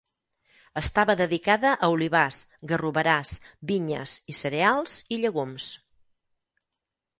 Estava dedicada a olivars, garroverars, vinyes i cereals i llegums.